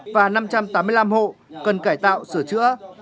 và năm trăm tám mươi năm hộ cần cải tạo sửa chữa